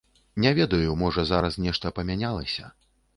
Не ведаю, можа, зараз нешта памянялася.